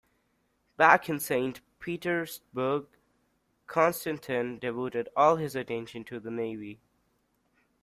Back in Saint Petersburg, Konstantin devoted all his attention to the navy.